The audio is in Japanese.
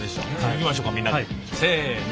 いきましょかみんなでせの。